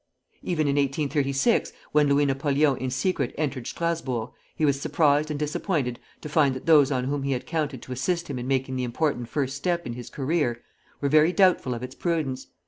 Even in 1836, when Louis Napoleon in secret entered Strasburg, he was surprised and disappointed to find that those on whom he had counted to assist him in making the important "first step" in his career, were very doubtful of its prudence.